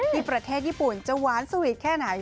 ที่ประเทศญี่ปุ่นจะหวานสุฟิตแค่ไหน